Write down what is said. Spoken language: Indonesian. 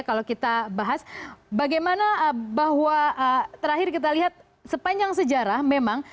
kalau kita bahas bagaimana bahwa terakhir kita lihat sepanjang sejarah memang